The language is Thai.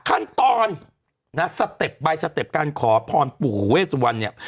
ขั้นตอนนะสเต็ปใบสเต็ปการขอพรปู่เวสวันเนี่ย